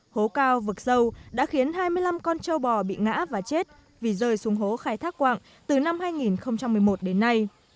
hố cao vực sâu đã khiến hai mươi năm con châu bò bị ngã và chết vì rơi xuống hố khai thác quạng từ năm hai nghìn một mươi một đến nay